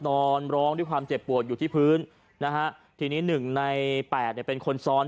นอนร้องด้วยความเจ็บปวดอยู่ที่พื้นนะฮะทีนี้หนึ่งในแปดเนี่ยเป็นคนซ้อน